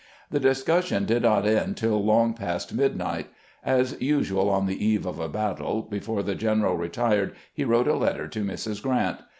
The discussion did not end till long past midnight. As usual on the eve of a battle, before the general re tired he wrote a letter to Mrs. Grant.